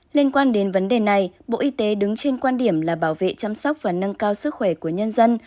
liên quan đến vấn đề này bộ y tế đứng trên quan điểm là bảo vệ chăm sóc và nâng cao sức khỏe của nhân dân